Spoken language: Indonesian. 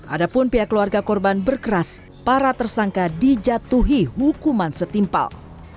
ada pun pihak keluarga korban berkeras para tersangka dijatuhi hukuman setimpal